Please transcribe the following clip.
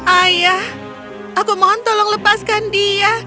ayah aku mohon tolong lepaskan dia